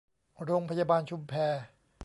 โรงพยาบาลชุมแพ